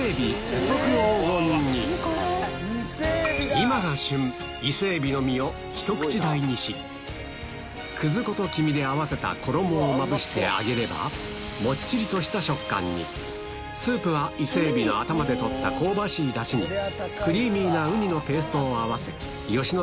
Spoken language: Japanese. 今が旬伊勢エビの身をひと口大にしくず粉と黄身で合わせた衣をまぶして揚げればもっちりとした食感にスープは伊勢エビの頭で取った香ばしいダシにクリーミーなウニのペーストを合わせ吉野